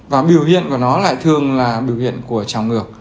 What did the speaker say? và biểu hiện của nó lại thường là biểu hiện của trào ngược